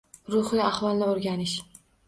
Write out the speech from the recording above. Ruhiy ahvolni oʻrganish